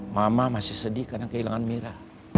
mama masih sedih karena kehilangan mira